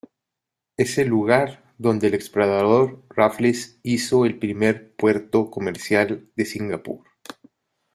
Es el lugar donde el explorador Raffles hizo el primero puerto comercial de Singapur.